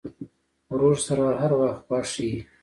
ورور سره هر وخت خوښ یې.